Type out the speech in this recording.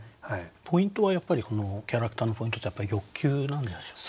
ポイントはやっぱりキャラクターのポイントってやっぱり欲求なんですよね？